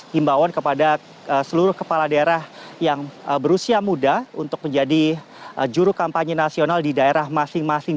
himbawan kepada seluruh kepala daerah yang berusia muda untuk menjadi juru kampanye nasional di daerah masing masing